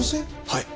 はい。